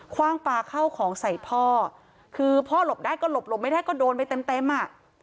ว่างปลาเข้าของใส่พ่อคือพ่อหลบได้ก็หลบหลบไม่ได้ก็โดนไปเต็มเต็มอ่ะ